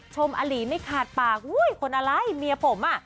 อลีไม่ขาดปากอุ้ยคนอะไรเมียผมอ่ะ